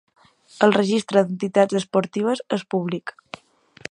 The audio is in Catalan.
El Registre d'Entitats Esportives és públic.